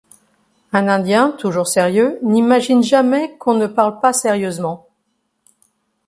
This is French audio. Un Indien, toujours sérieux, n’imagine jamais qu’on ne parle pas sérieusement.